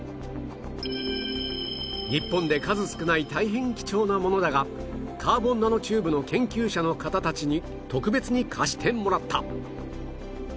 日本で数少ない大変貴重なものだがカーボンナノチューブの研究者の方たちに特別に貸してもらった